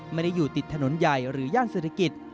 ไม่ได้อยู่ติดถนนใหญ่หรือย่านเศรษฐกิจ